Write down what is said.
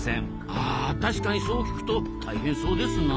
あ確かにそう聞くと大変そうですな。